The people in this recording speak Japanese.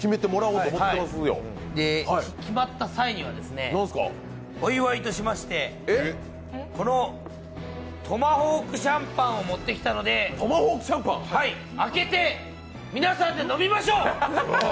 で、決まった際にはお祝いとしまして、このトマホークシャンパンを持ってきたので開けて皆さんで飲みましょう！